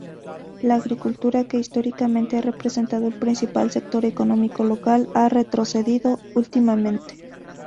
La agricultura, que históricamente ha representado el principal sector económico local, ha retrocedido últimamente.